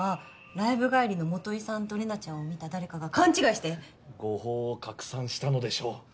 ライブ帰りの基さんと玲奈ちゃんを見た誰かが勘違いして誤報を拡散したのでしょう